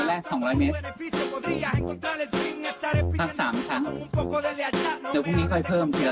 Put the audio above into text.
วันแรกสองร้อยเมตร๓ค่ะเดี๋ยวพรุ่งนี้ก็ให้เพิ่มทีละ